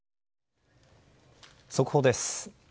速報です。